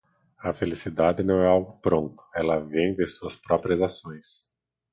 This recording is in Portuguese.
A felicidade não é algo pronto. Ela vem de suas próprias ações.